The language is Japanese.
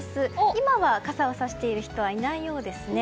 今は傘をさしている人はいないようですね。